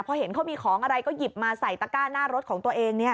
พอเห็นเขามีของอะไรก็หยิบมาใส่ตะก้าหน้ารถของตัวเอง